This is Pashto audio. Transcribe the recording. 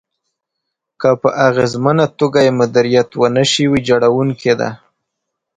که په اغېزمنه توګه يې مديريت ونشي، ويجاړونکې ده.